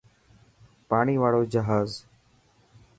پاڻي واڙو جهاز.